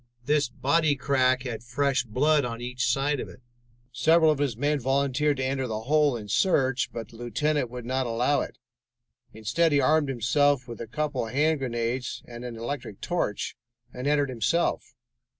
This bodycrack had fresh blood on each side of it. Several of his men volunteered to enter the hole and search, but the lieutenant would not allow it. Instead, he armed himself with a couple of hand grenades and an electric torch and entered himself.